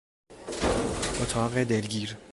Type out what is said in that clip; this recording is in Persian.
اتاق دلگیر